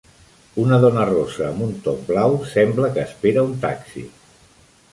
Una dona rossa amb un top blau sembla que espera un taxi.